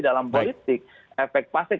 dalam politik efek pasek